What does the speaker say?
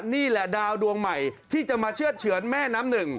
นี่แหละดาวดวงใหม่ที่จะมาเชื่อดเฉือนแม่น้ำหนึ่ง